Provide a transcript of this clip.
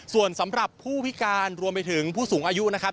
ส่วนสำหรับผู้พิการรวมไปถึงผู้สูงอายุนะครับ